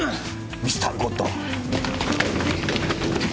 ミスター・ゴッド。